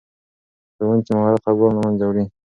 د ښوونکي مهارت خفګان له منځه وړي.